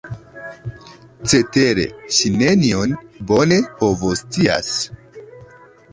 Cetere ŝi nenion bone povoscias.